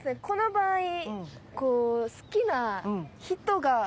この場合こう好きな人が。